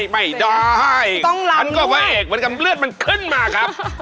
ไม่ได้อันก็แพ่แอกเหมือนเลือดมันเคิ้นมาครับ